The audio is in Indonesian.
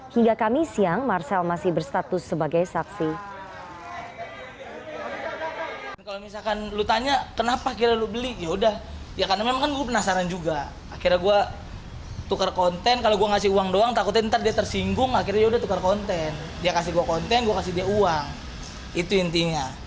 hingga kamis siang marcel masih berstatus sebagai saksi